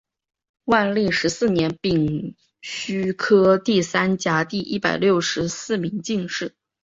万历十四年丙戌科第三甲第一百六十四名进士。